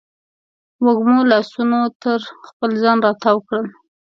وږمو لاسونه تر خپل ځان راتاو کړل